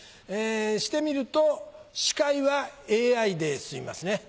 してみると司会はＡＩで済みますね。